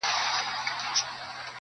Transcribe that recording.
یو او دوه په سمه نه سي گرځېدلای!